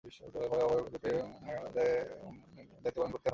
ফলে পদের অভাবে পদোন্নতি পেয়েও কর্মকর্তাদের আগের পদেই দায়িত্ব পালন করতে হবে।